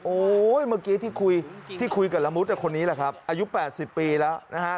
เมื่อกี้ที่คุยที่คุยกับละมุดคนนี้แหละครับอายุ๘๐ปีแล้วนะฮะ